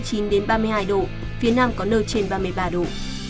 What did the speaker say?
nhiệt độ cao nhất từ hai mươi hai đến hai mươi năm độ phía nam có nơi trên ba mươi ba độ